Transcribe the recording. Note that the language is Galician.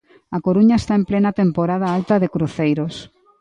A Coruña está en plena temporada alta de cruceiros.